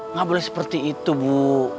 nggak boleh seperti itu bu